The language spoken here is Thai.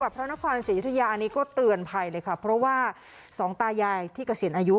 พระนครศรียุธยาอันนี้ก็เตือนภัยเลยค่ะเพราะว่าสองตายายที่เกษียณอายุ